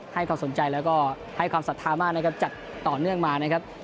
ให้ความสนใจและก็ให้ความสัตว์ธรรมะจัดต่อเนื่องมานะครับ